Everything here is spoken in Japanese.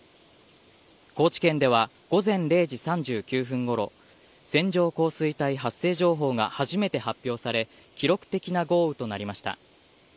高知県では、午前０時３９分ごろ、線状降水帯発生情報が初めて発表され、記録的な豪雨となりました。